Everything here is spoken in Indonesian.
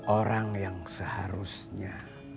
orang yang seharusnya